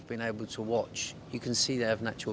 anda bisa melihat mereka memiliki kemampuan natural